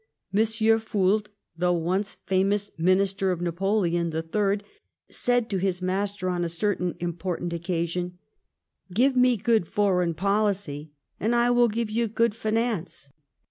Monsieur Fould, the once famous minister of Napoleon the Third, said to his master on a certain important occasion: "Give me good foreign policy, and I will give you good finance."